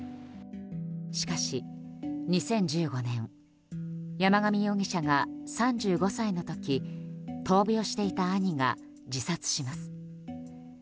しかし、２０１５年山上容疑者が３５歳の時闘病していた兄が自殺します。